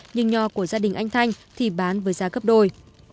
nhưng nho của gia đình anh thanh thì bán với giá gấp đôi